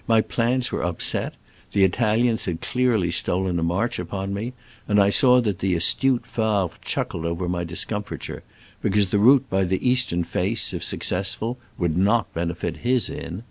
My plans were upset: the Italians had clearly stolen a march upon me, and I saw that the astute Favre chuckled over my dis comfiture, because the route by the east ern face, if successful, would not benefit his inn.